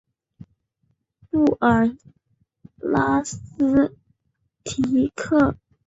布尔拉斯蒂克。